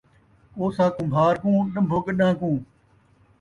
کوسا کمبھار کوں ، ݙن٘بھو گݙان٘ھ کوں